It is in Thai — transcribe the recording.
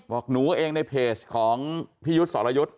บอกหนูเองในเพจของพี่ยุทธ์สรยุทธ์